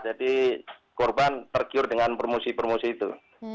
jadi korban tercure dengan promosi promosi itu